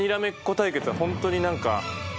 対決はホントに何か。